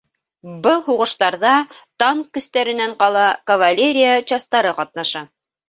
Был һуғыштарҙа танк көстәренән ҡала кавалерия частары ҡатнаша.